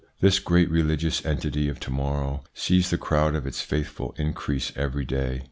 This great religious entity of to morrow sees the crowd of its faithful increase every day.